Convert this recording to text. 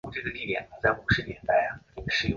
中华民国宣布与印度断交。